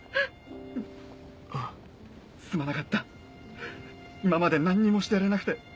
すまなかった今まで何にもしてやれなくて。